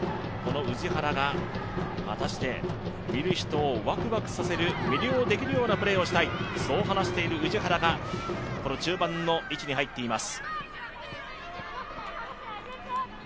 この氏原が果たして、見る人をワクワクさせる、魅了できるようなプレーをしたいと話している氏原が中盤の位置に入っています。